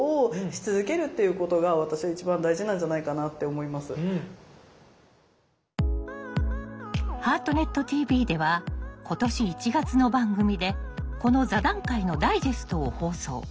何かまずそういう「ハートネットＴＶ」では今年１月の番組でこの座談会のダイジェストを放送。